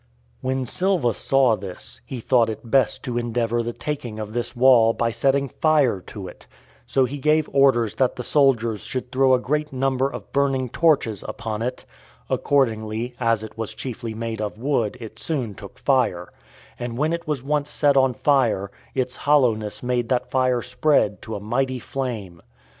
When Silva saw this, he thought it best to endeavor the taking of this wall by setting fire to it; so he gave order that the soldiers should throw a great number of burning torches upon it: accordingly, as it was chiefly made of wood, it soon took fire; and when it was once set on fire, its hollowness made that fire spread to a mighty flame.